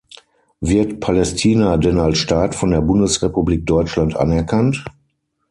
Wird "Palästina" denn als Staat von der Bundesrepublik Deutschland anerkannt?